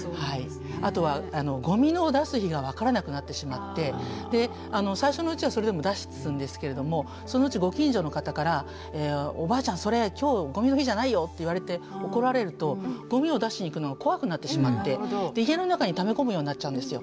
あとはゴミの出す日が分からなくなってしまって最初のうちはそれでも出すんですけれどもそのうちご近所の方から「おばあちゃんそれ今日ゴミの日じゃないよ」って言われて怒られるとゴミを出しに行くのが怖くなってしまって家の中にため込むようになっちゃうんですよ。